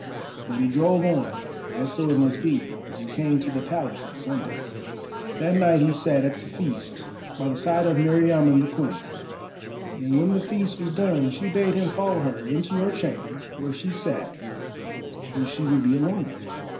But he drove on, as so it must be, and came to the Palace at sundown. That night he sat at the feast by the side of Meriamun the Queen. And when the feast was done she bade him follow her into her chamber where she sat when she would be alone.